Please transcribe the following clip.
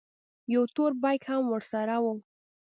يو تور بېګ هم ورسره و.